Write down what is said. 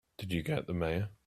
Did you get the Mayor?